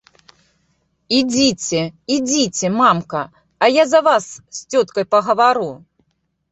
Ідзіце, ідзіце, мамка, а я за вас з цёткай пагавару.